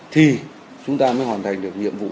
thì chúng ta mới hoàn thành được nhiệm vụ